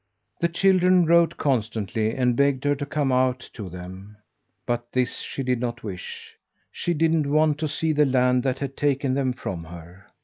The children wrote constantly, and begged her to come out to them; but this she did not wish. She didn't want to see the land that had taken them from her.